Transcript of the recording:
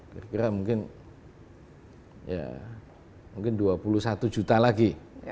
kira kira mungkin ya mungkin dua puluh satu juta lagi